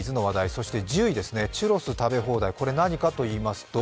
そして１０位、チュロス食べ放題、これは何かといいますと、